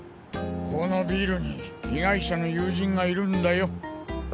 このビルに被害者の友人がいるんだよ。